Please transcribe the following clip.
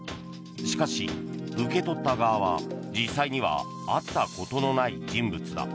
しかし受け取った側は、実際には会ったことのない人物だ。